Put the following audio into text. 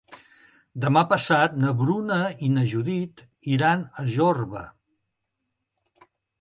Demà passat na Bruna i na Judit iran a Jorba.